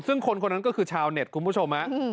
ซึ่งคนคนนั้นก็คือชาวเน็ตคุณผู้ชม